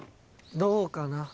どうかな。